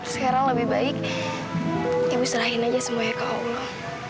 sekarang lebih baik ibu serahin aja semuanya ke allah